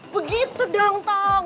begitu dong tong